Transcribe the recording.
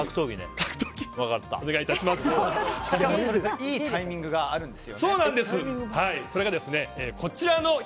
いいタイミングがあるんですよね。